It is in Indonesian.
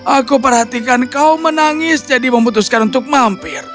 aku perhatikan kau menangis jadi memutuskan untuk mampir